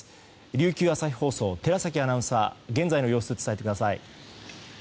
琉球朝日放送、寺崎アナウンサー現在の様子を伝えてください。